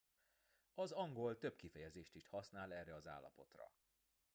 Az angol több kifejezést is használ erre az állapotra.